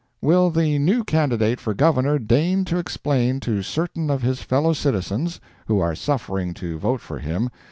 —Will the new candidate for Governor deign to explain to certain of his fellow citizens (who are suffering to vote for him!)